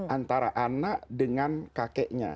antara anak dengan kakeknya